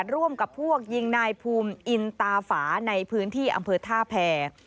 ร่วมกับพวกยิงนายภูมิอินตาฝาในพื้นที่อำเภอท่าแพร